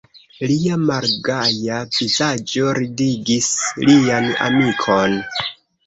Lia malgaja vizaĝo ridigis lian amikon.